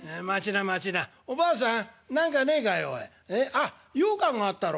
あっようかんがあったろ。